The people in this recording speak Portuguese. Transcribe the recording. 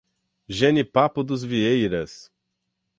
Jenipapo dos Vieiras